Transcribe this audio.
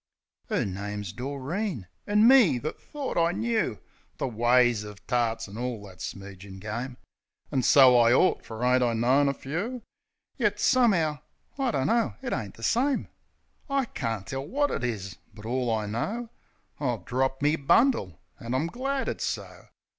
'Er name's Doreen. ... An' me — that thort I knoo The ways uv tarts, an' all that smoogin' game I An' so I ort; fer ain't I known a few? Yet some'ow ... I dunno. It ain't the same. I carn't tell wot it is ; but, all I know, I've dropped me bundle — an' I'm glad it's so.